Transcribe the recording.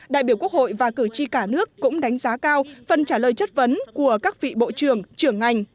đại biểu quốc hội và cử tri cả nước cũng đánh giá cao phần trả lời chất vấn của các vị bộ trưởng trưởng ngành